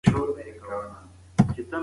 د پښتنو تاريخ بايد د نړۍ په کچه وپېژندل شي.